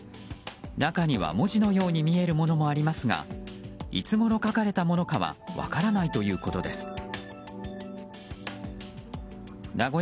中には文字のように見えるものもありますがいつごろ書かれたものかは分からないということです。